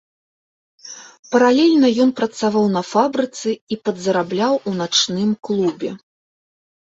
Паралельна ён працаваў на фабрыцы і падзарабляў у начным клубе.